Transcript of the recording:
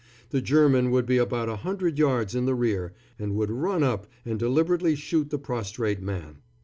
The German would be about a hundred yards in the rear, and would run up and deliberately shoot the prostrate man.